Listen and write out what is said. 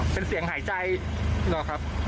เป็นเสียงหายใจนะครับ